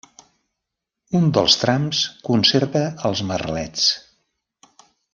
Un dels trams conserva els merlets.